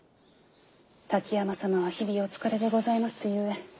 滝山様は日々お疲れでございますゆえ。